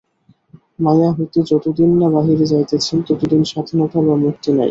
মায়া হইতে যতদিন না বাহিরে যাইতেছেন, ততদিন স্বাধীনতা বা মুক্তি নাই।